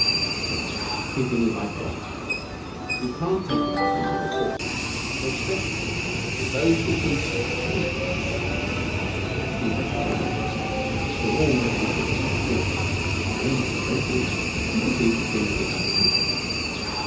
Besides, creeping is like golf. You can't take it up in the middle forties and expect to compete with those who have been at it from infancy. He had resigned himself to an all night vigil behind the bush, when to his great delight he perceived that things had begun to move again.